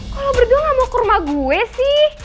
kalo berdua gak mau ke rumah gue sih